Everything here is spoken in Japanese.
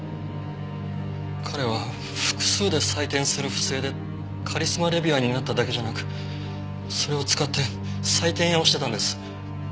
彼は複数で採点する不正でカリスマ・レビュアーになっただけじゃなくそれを使って採点屋をしてたんです。